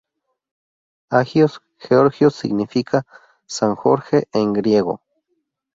Agios Georgios significa "San Jorge" en griego.